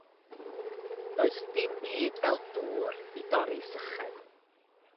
Does dim byd fel dŵr i dorri syched.